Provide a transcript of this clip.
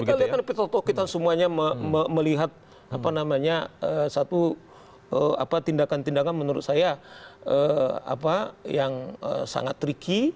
kita lihat kan kita semuanya melihat satu tindakan tindakan menurut saya yang sangat tricky